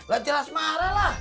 lah jelas marah lah